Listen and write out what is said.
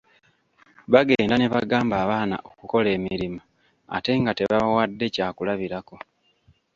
Bagenda ne bagamba abaana okukola emirimu ate nga tebabawadde kyakulabirako.